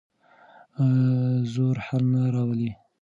زور حل نه راولي.